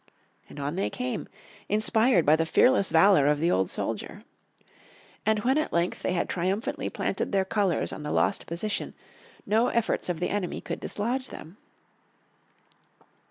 And on they came, inspired by the fearless valour of the old soldier. And when at length they had triumphantly planted their colours on the lost position, no efforts of the enemy could dislodge them.